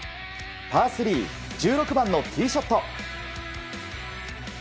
パー３、１６番のティーショット。